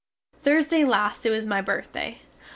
Thursday last it was my birthday.